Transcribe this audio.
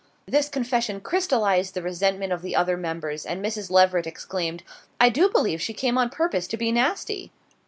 This confession crystallised the resentment of the other members, and Mrs. Leveret exclaimed: "I do believe she came on purpose to be nasty!"